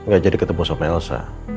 gak jadi ketemu sama elsa